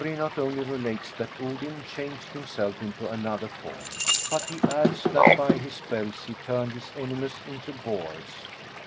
Snorri not only relates that Odin changed himself into another form, but he adds that by his spells he tnmed his enemies into boars.